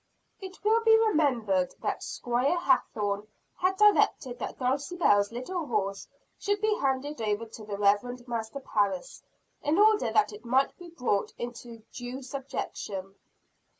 It will be remembered that Squire Hathorne had directed that Dulcibel's little horse should be handed over to the Reverend Master Parris, in order that it might be brought into due subjection.